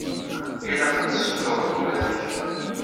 Ilaq ad tessutreḍ urag.